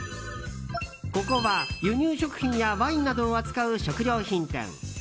ここは輸入食品やワインなどを扱う食料品店。